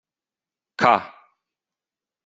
Ca!